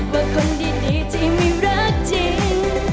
ว่าคนดีที่ไม่รักทิ้ง